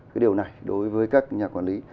cái điều này đối với các nhà quản lý